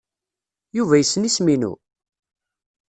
Yuba yessen isem-inu?